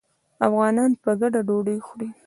افغانان په ګډه ډوډۍ خوري.